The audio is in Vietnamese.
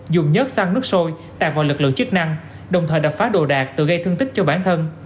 bằng nước sôi tạp vào lực lượng chức năng đồng thời đập phá đồ đạc tự gây thương tích cho bản thân